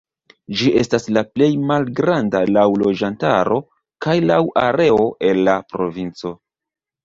Ĝi estas la plej malgranda laŭ loĝantaro kaj laŭ areo el la provinco.